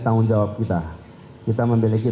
tanggung jawab kita kita memiliki